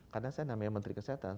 karena saya namanya menteri kesehatan